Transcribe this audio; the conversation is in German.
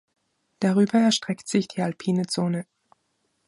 Darüber erstreckt sich die alpine Zone.